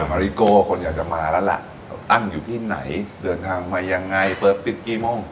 มาริโกคนอยากจะมาแล้วล่ะตั้งอยู่ที่ไหนเดินทางมายังไงเปิดปิดกี่โมง